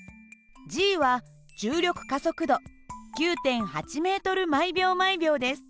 は重力加速度９．８ｍ／ｓです。